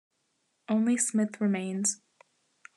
Only Smith remains.